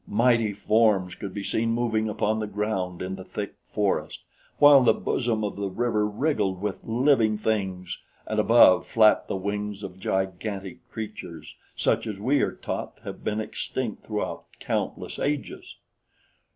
Mighty forms could be seen moving upon the ground in the thick forest, while the bosom of the river wriggled with living things, and above flapped the wings of gigantic creatures such as we are taught have been extinct throughout countless ages.